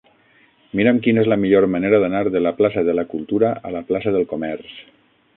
Mira'm quina és la millor manera d'anar de la plaça de la Cultura a la plaça del Comerç.